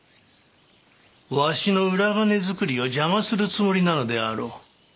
わしの裏金作りを邪魔するつもりなのであろう。